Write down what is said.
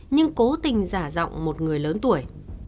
nhưng cố tình giả giọng một người lớn tuổi